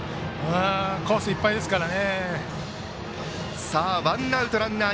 コースいっぱいですから。